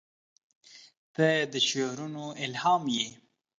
• ته د شعرونو الهام یې.